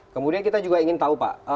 kemudian kita juga ingin tahu pak